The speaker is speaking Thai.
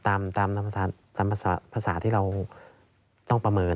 ตามภาษาที่เราต้องประเมิน